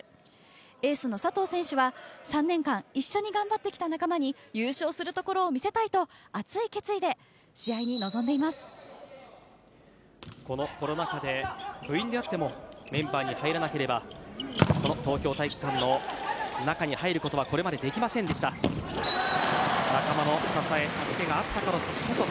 エースの佐藤選手は３年間一緒に頑張ってきた仲間に優勝するところを見せたいと熱い決意でこのコロナ禍で部員であってもメンバーに入れなければこの東京体育館の中に入ることはこれまでできませんでした。